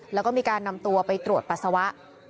แล้วก็มีการนำตัวไปตรวจปัสสาวะ